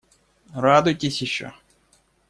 Радуйтесь ещё.